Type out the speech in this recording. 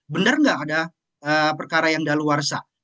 benar nggak ada perkara yang daluarsa